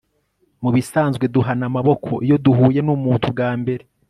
mubisanzwe, duhana amaboko iyo duhuye numuntu bwa mbere